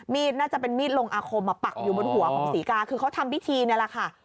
น่าจะเป็นมีดลงอาคมมาปักอยู่บนหัวของศรีกาคือเขาทำพิธีนี่แหละค่ะ